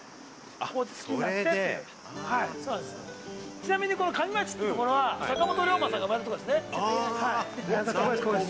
ちなみに、この上町は坂本龍馬さんが生まれたところです。